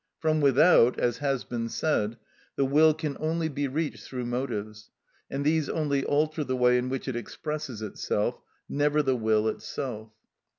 From without, as has been said, the will can only be reached through motives, and these only alter the way in which it expresses itself, never the will itself.